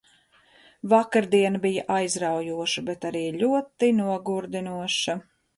Vakardiena bija aizraujoša, bet arī ļoti nogurdinoša.